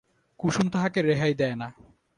কুসুম তাহাকে রেহাই দেয় না।